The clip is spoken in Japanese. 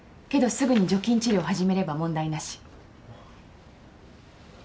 けどすぐに除菌治療を始めれば問題なし。